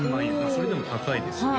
それでも高いですよね